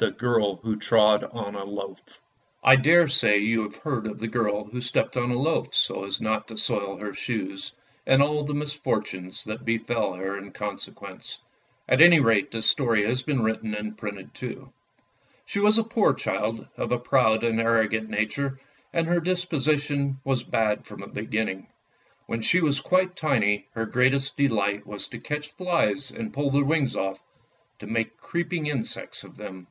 'i THE GIRL WHO TROD ON A LOAF I DARESAY you have heard of the girl who stepped on a loaf, so as not to soil her shoes, and all the misfortunes that befel her in consequence. At any rate the story has been written and printed too. She was a poor child, of a proud and arrogant nature, and her disposition was bad from the beginning. When she was quite tiny, her greatest delight was to catch flies and pull their wings off, to make creeping insects of them.